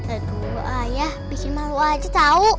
aduh ayah bikin malu aja tahu